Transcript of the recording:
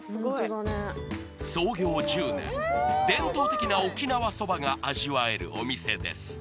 創業１０年伝統的な沖縄そばが味わえるお店です